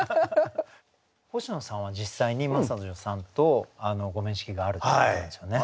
星野さんは実際に真砂女さんとご面識があるということなんですよね。